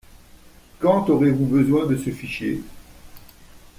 Quand aurez-vous besoin de ce fichier?